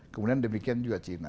kemudian demikian juga cina